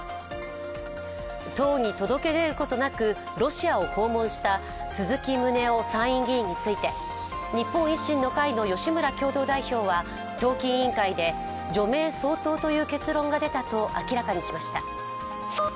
党に届け出ることなくロシアを訪問した鈴木宗男参院議員について日本維新の会の吉村共同代表は、党紀委員会で、除名相当という結論が出たと明らかにしました。